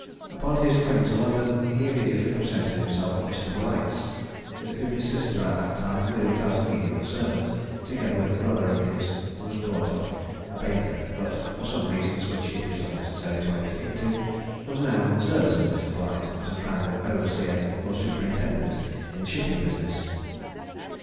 Upon his coming to London, he immediately presented himself at Mr. Blight's, with whom his sister, at that time, lived as a menial servant; together with a brother of his who was brought up a baker, but, for some reasons which it is unnecessary to enter into, was now in the service of Mr. Blight, as a kind of overseer or superintendant in the shipping business.